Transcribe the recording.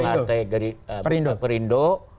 pak tiko dari perindo